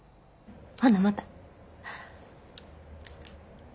ほなまた。